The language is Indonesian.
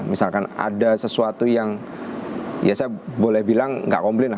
misalkan ada sesuatu yang ya saya boleh bilang nggak komplain lah